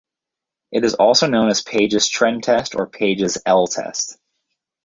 It is also known as Page's trend test or Page's "L" test.